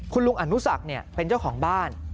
คุณลุงอนุสักเป็นเจ้าของบ้าน